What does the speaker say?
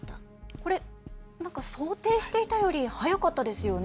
これ、なんか想定していたより早かったですよね。